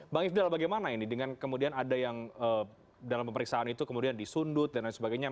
bang ifdal bagaimana ini dengan kemudian ada yang dalam pemeriksaan itu kemudian disundut dan lain sebagainya